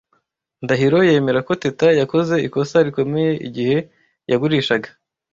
Ndahiro yemera ko Teta yakoze ikosa rikomeye igihe yagurishaga